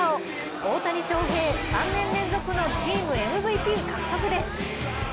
大谷翔平、３年連続のチームＭＶＰ獲得です。